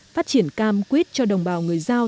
phát triển cam quyết cho đồng bào người giao